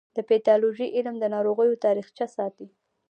د پیتالوژي علم د ناروغیو تاریخچه ساتي.